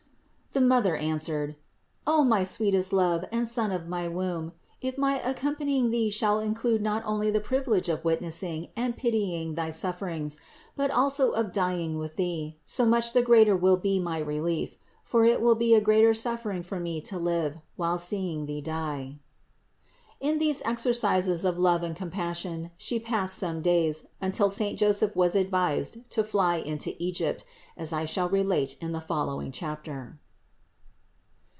The Mother answered : "O my sweetest Love and Son of my womb, if my accompanying Thee shall include not only the privilege of witnessing and pitying thy sufferings, but also of dying with Thee, so much the greater will be my relief ; for it will be a greater suffering for me to live, while seeing Thee die." In these exer cises of love and compassion She passed some days, until saint Joseph was advised to fly into Egypt, as I shall relate in the following chapter.